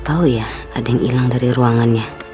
tahu ya ada yang hilang dari ruangannya